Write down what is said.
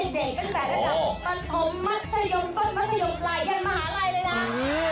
เด็กก็จะแบบปันทมมัธยมปันมัธยมไหล่มหาไหล่เลยนะ